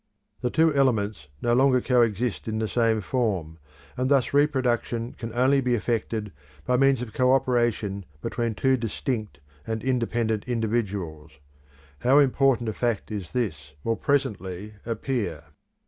The two elements no longer co exist in the same form, and thus reproduction can only be effected by means of co operation between two distinct and independent individuals. How important a fact is this will presently appear.